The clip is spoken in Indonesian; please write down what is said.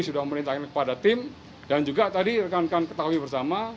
sudah memerintahkan kepada tim dan juga tadi rekan rekan ketahui bersama